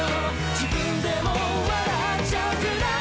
自分でも笑っちゃうくらい」